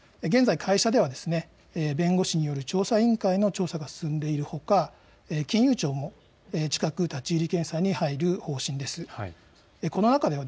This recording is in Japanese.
現在、会社では弁護士による調査委員会の調査が進んでいるほか、金融庁も近く立ち入り検査に入る方針です。